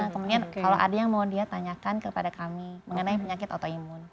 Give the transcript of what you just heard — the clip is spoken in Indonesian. kemudian kalau ada yang mau dia tanyakan kepada kami mengenai penyakit autoimun